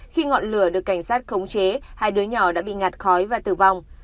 khi ngọn lửa được cảnh sát khống chế hai đứa nhỏ đã bị ngạt khói và tử vong